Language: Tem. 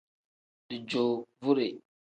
Dijoovure.